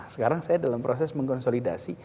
sekarang saya dalam proses mengkonsolidasi